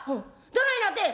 「どないなってん」。